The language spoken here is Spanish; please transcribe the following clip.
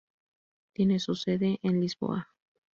Tiene su sede en Lisboa.